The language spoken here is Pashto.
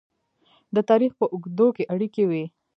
د تاریخ په اوږدو کې اړیکې وې.